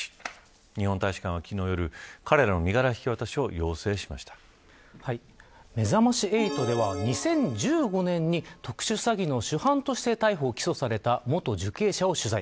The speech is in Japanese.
日本大使館は昨日夜彼らの身柄引き渡しをめざまし８では２０１５年に特殊詐欺の主犯として逮捕・起訴された元受刑者を取材。